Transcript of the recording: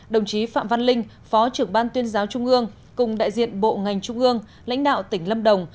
đồng chí phạm văn linh phó trưởng ban tuyên giáo trung ương cùng đại diện bộ ngành trung ương lãnh đạo tỉnh lâm đồng